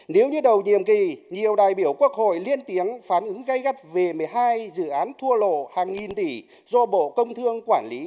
nếu như đầu nhiệm kỳ nhiều đại biểu quốc hội liên tiếng phán ứng gây gắt về một mươi hai dự án thua lộ hàng nghìn tỷ do bộ công thương quản lý